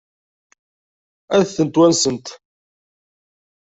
Ad tent-wansent?